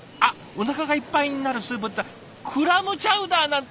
おなかがいっぱいになるスープっていったらクラムチャウダーなんて！